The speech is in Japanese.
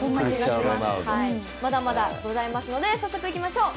まだまだございますので早速、行きましょう。